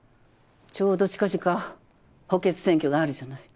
ちょうど近々補欠選挙があるじゃない。